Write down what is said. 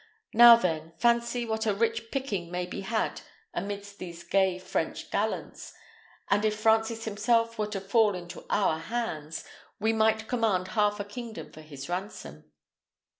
Now, then, fancy what a rich picking may be had amidst these gay French gallants; and if Francis himself were to fall into our hands, we might command half a kingdom for his ransom."